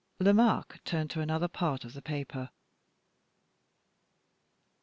Lomaque turned to another part of the paper.